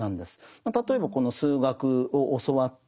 例えば数学を教わって